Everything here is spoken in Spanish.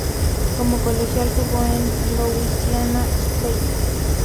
Como colegial jugo en Louisiana State.